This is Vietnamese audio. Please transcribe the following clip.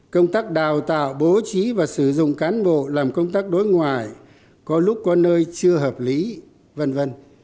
công tác đào tạo bố trí và sử dụng cán bộ làm công tác đối ngoại có lúc có nơi chưa hợp lý v v